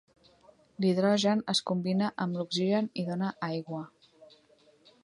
L'hidrogen es combina amb l'oxigen i dona aigua.